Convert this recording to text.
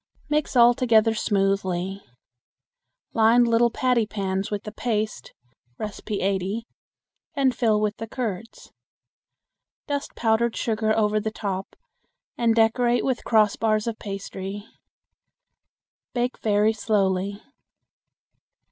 Mix all together smoothly. Line little patty pans with the paste (No. 80), and fill with the curds. Dust powdered sugar over the top and decorate with crossbars of pastry. Bake very slowly.